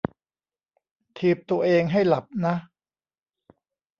ถีบตัวเองให้หลับนะ